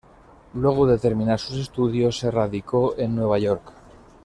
Luego de terminar sus estudios se radicó en Nueva York.